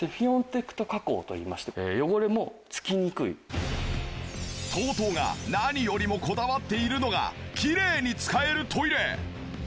これＴＯＴＯが何よりもこだわっているのがきれいに使えるトイレ！